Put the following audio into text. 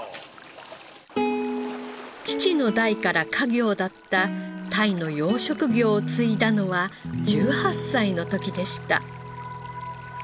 父の代から家業だった鯛の養殖業を継いだのは１８歳の時でした。